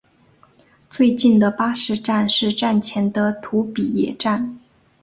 最近的巴士站是站前的土笔野站。